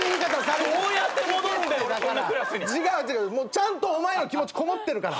ちゃんとお前への気持ちこもってるから。